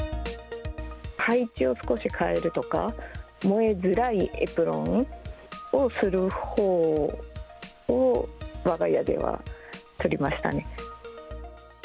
配置を少し変えるとか、燃えづらいエプロンをするほうをわが家では取りましたね。